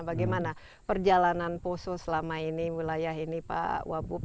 bagaimana perjalanan poso selama ini wilayah ini pak wabub